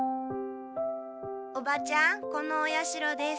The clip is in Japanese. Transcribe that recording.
おばちゃんこのお社です。